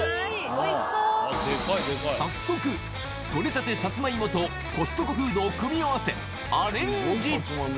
早速、取れたてサツマイモとコストコフードを組み合わせ、アレンジ。